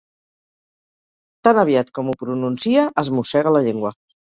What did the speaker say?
Tan aviat com ho pronuncia es mossega la llengua.